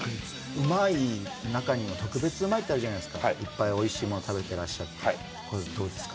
うまい中にも特別うまいってあるじゃないすかいっぱいおいしいもの食べてらっしゃってはいこれどうですか？